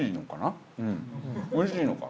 おいしいのか。